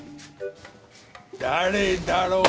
誰だろうね？